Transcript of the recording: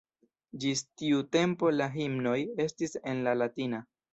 Ĝis tiu tempo la himnoj estis en la latina.